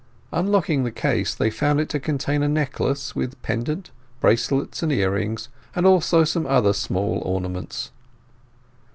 Unlocking the case, they found it to contain a necklace, with pendant, bracelets, and ear rings; and also some other small ornaments.